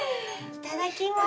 いただきます。